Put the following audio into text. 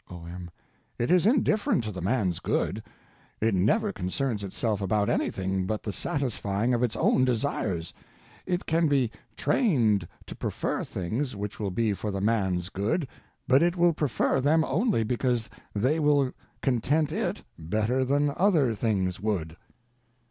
O.M. It is indifferent to the man's good; it never concerns itself about anything but the satisfying of its own desires. It can be _trained _to prefer things which will be for the man's good, but it will prefer them only because they will content _it _better than other things would.